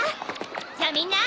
じゃあみんな。